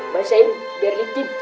masain dari tim